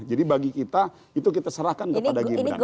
jadi bagi kita itu kita serahkan kepada gibran